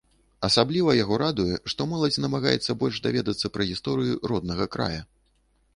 Асабліва яго радуе, што моладзь намагаецца больш даведацца пра гісторыю роднага края.